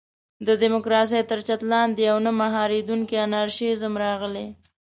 د ډیموکراسۍ تر چتر لاندې یو نه مهارېدونکی انارشېزم راغلی.